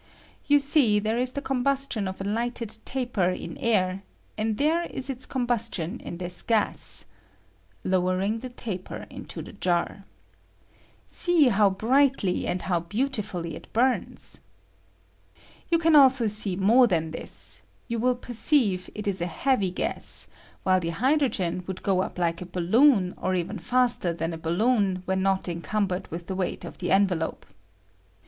You see there is the combustion of a lighted taper in air, and here ia its combustion in this gas [lowering the taper into the jar]. See how brightly and how beautifully it bums ! Yoti can also see more than this : you will perceive d e : IS PROPERTIES OF OXYGEN. 113 t is a heavy gaa, while the hydrogen ■would I up like a balloon, or even faster than a Jloon, when not encumbered with the weight f the envelope.